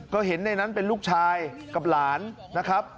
ก็เห็นในนั้นเป็นลูกชายกับหลานนะครับ